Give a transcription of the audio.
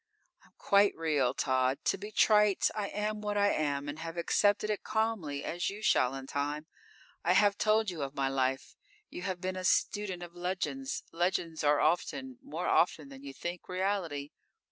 "_ _"I'm quite real, Tod. To be trite, I am what I am, and have accepted it calmly, as you shall in time. I have told you of my life. You have been a student of legends. Legends are often more often than you think reality.